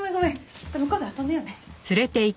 ちょっと向こうで遊んでようね。